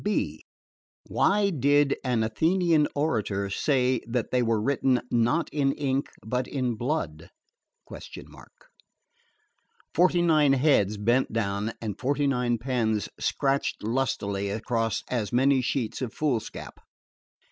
(b) Why did an Athenian orator say that they were written 'not in ink, but in blood'?_" Forty nine heads bent down and forty nine pens scratched lustily across as many sheets of foolscap.